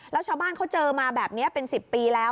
แล้วชาวบ้านเขาเจอมาแบบนี้เป็น๑๐ปีแล้ว